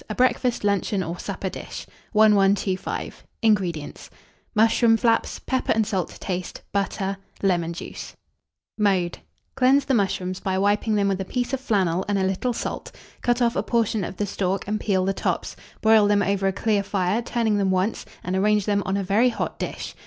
(A Breakfast, Luncheon, or Supper Dish.) 1125. INGREDIENTS. Mushroom flaps, pepper and salt to taste, butter, lemon juice. [Illustration: BROILED MUSHROOMS.] Mode. Cleanse the mushrooms by wiping them with a piece of flannel and a little salt; cut off a portion of the stalk, and peel the tops: broil them over a clear fire, turning them once, and arrange them on a very hot dish.